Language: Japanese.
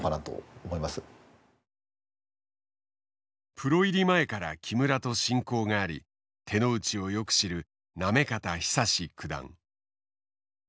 プロ入り前から木村と親交があり手の内をよく知る行方尚史九段。